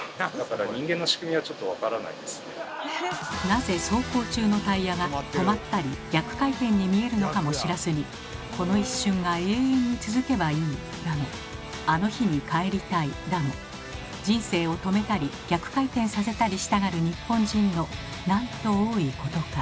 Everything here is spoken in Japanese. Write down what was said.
なぜ走行中のタイヤが止まったり逆回転に見えるのかも知らずに「この一瞬が永遠に続けばいい」だの「あの日に帰りたい」だの人生を止めたり逆回転させたりしたがる日本人のなんと多いことか。